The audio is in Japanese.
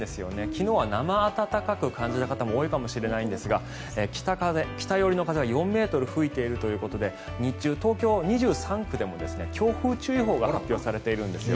昨日は生暖かく感じた方も多いかもしれないんですが北風、北寄りの風が４ｍ吹いているということで日中、東京２３区でも強風注意報が発表されているんです。